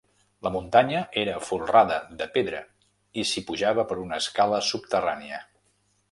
La muntanya era folrada de pedra i s'hi pujava per una escala subterrània.